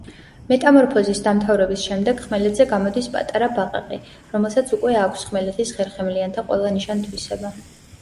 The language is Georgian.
მეტამორფოზის დამთავრების შემდეგ ხმელეთზე გამოდის პატარა ბაყაყი, რომელსაც უკვე აქვს ხმელეთის ხერხემლიანთა ყველა ნიშან-თვისება.